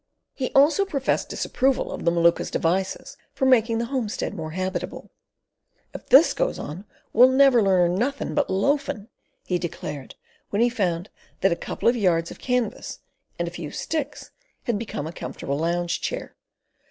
He also professed disapproval of the Maluka's devices for making the homestead more habitable. "If this goes on we'll never learn her nothing but loafin'", he declared when he found that a couple of yards of canvas and a few sticks had become a comfortable lounge chair.